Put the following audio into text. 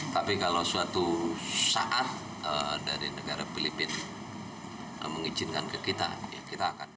tapi kalau suatu saat dari negara filipina mengizinkan ke kita ya kita akan